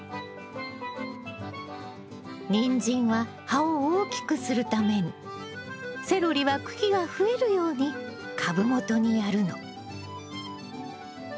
ニンジンは葉を大きくするためにセロリは茎が増えるように株元にやるの。